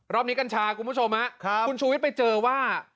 รอบนี้กัญชาคุณผู้ชมคุณชูวิทย์ไปเจอว่า